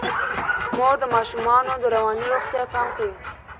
مور د ماشومانو د رواني روغتیا پام کوي.